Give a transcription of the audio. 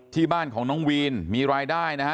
ที่บ้านของน้องวีนมีรายได้นะฮะ